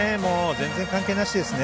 全然関係なしですね。